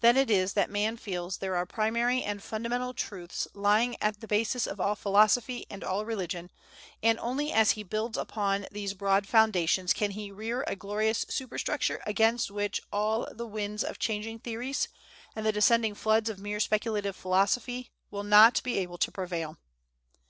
Then it is that man feels there are primary and fundamental truths lying at the basis of all philosophy and all religion, and only as he builds upon these broad foundations can he rear a glorious superstructure against which all the winds of changing theories, and the descending floods of mere speculative philosophy, will not be able to prevail.